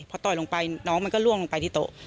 พอต่อยลงไปน้องมันก็ล่วงลงไปที่โต๊ะ